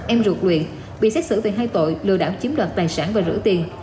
em ruột luyện bị xét xử về hai tội lừa đảo chiếm đoạt tài sản và rửa tiền